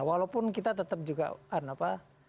walaupun kita tetap juga apa